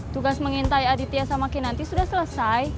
tugas mengintai aditya sama kinanti sudah selesai